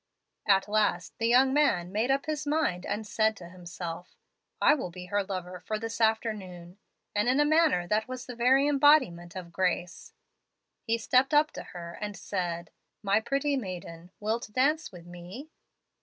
At last the young man made up his mind, and said to himself, 'I will be her lover for this afternoon,' and in a manner that was the very embodiment of grace, he stepped up to her and said, 'My pretty maiden, wilt dance with me?'"